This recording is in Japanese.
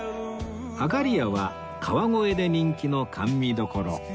あかりやは川越で人気の甘味処